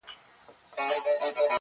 • دا بېچاره به ښـايــي مــړ وي.